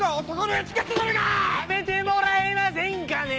やめてもらえませんかね！